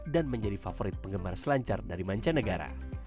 dan menjadi favorit penggemar selancar dari mancanegara